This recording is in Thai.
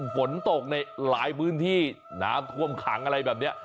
ฝนตกในหลายพื้นที่น้ำท่วมขังอะไรแบบนี้